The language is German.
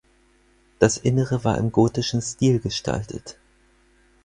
Das Innere war im gotischen Stil gestaltet.